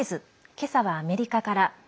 今朝は、アメリカから。